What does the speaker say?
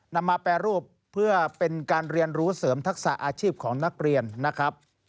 นำมาแปรรูปเพื่อเป็นการเรียนรู้เสริมทักษะอาชีพของนักเรียนนะครับ